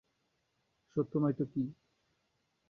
সত্য নয় তো কী!